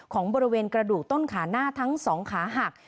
ของบริเวณกระดูกต้นขาหน้าทั้ง๒ขาหัก